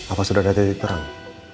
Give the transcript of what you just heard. apa sudah ada titik terang